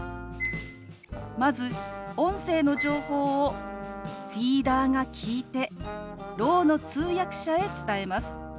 まず音声の情報をフィーダーが聞いてろうの通訳者へ伝えます。